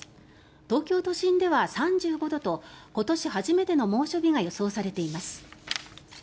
東京都心では３５度と今年初めての猛暑日が予想されています。